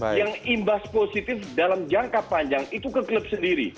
yang imbas positif dalam jangka panjang itu ke klub sendiri